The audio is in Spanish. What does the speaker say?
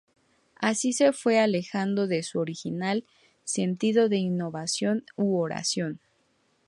Así se fue alejando de su original sentido de invocación u oración.